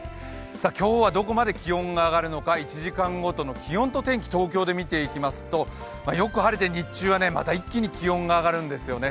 今日はどこまで気温が上がるのか１時間ごとの気温と天気、東京で見ていきますとよく晴れて、日中はまた一気に気温が上がるんですよね。